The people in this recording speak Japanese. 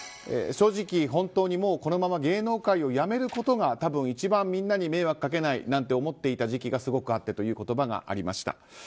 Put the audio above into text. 正直、本当にこのまま芸能界を辞めることが多分、一番みんなに迷惑かけないなんて思っていた時期がすごくあってという言葉がありました。